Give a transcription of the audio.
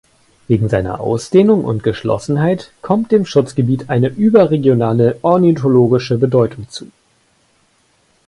Wegen seiner Ausdehnung und Geschlossenheit kommt dem Schutzgebiet eine überregionale ornithologische Bedeutung zu.